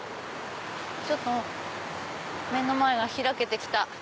ちょっと目の前が開けて来た。